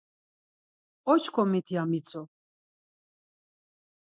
Oşǩomit, ya mitzu.